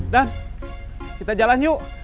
dan kita jalan yuk